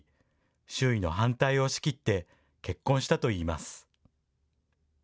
周囲の反対を押し切って結婚したといいます。